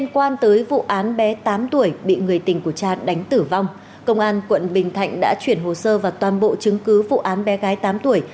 quan tới vụ án bé tám tuổi bị người tình của cha đánh tử vong công an quận bình thạnh đã chuyển hồ sơ và toàn bộ chứng cứ vụ án bé gái tám tuổi